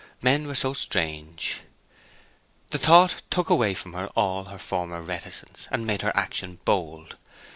Men were so strange. The thought took away from her all her former reticence, and made her action bold.